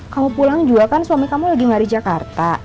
kalau pulang juga kan suami kamu lagi gak ada di jakarta